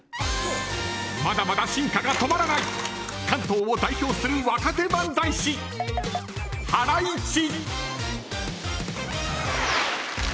まだまだ進化が止まらない関東を代表する若手漫才師ハライチ。